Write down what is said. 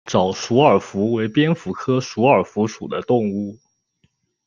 沼鼠耳蝠为蝙蝠科鼠耳蝠属的动物。